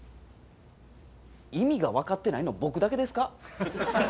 意味が分かってないの僕だけですか？